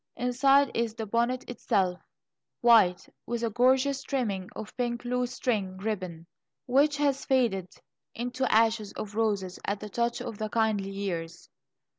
Inside is the bonnet itself white, with a gorgeous trimming of pink "lute string" ribbon, which has faded into ashes of roses at the touch of the kindly years.